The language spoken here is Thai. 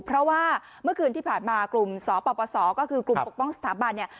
เพราะว่าเมื่อคืนที่ผ่านมากลุ่มสปสก็คือกลุ่มปกป้องสถาบันเนี่ย